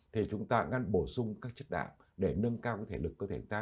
thì chúng ta ngăn bổ sung các chất đạm để nâng cao cái thể lực có thể của ta